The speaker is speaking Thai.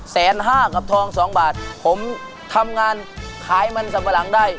แสนห้ากับทองสองบาทผมทำงานขายมันสัมปะหลังได้